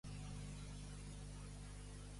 Qui va ser Khnum?